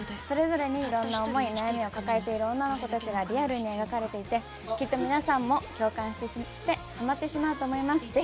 それぞれにいろいろな悩み、思いを抱えている女の子たちがリアルに描かれていて、きっと皆さんも共感してハマってしまうと思います。